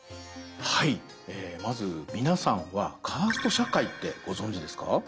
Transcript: はいまず皆さんはカースト社会ってご存じですか？